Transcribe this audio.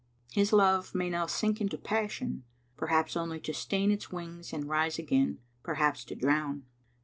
His love may now sink into passion, perhaps only to stain its wings and rise again, perhaps to drown.